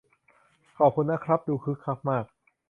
ขอบคุณนะครับ ดูคึกคักมาก